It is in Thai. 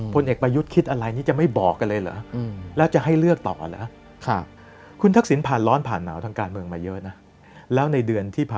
ตั้งแต่วันที่๘ที่๙แล้วเรารู้กันอยู่กับสถานการณ์การเมือง